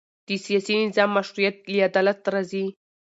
د سیاسي نظام مشروعیت له عدالت راځي